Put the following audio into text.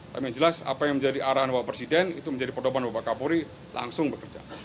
tapi yang jelas apa yang menjadi arahan bapak presiden itu menjadi pedoman bapak kapolri langsung bekerja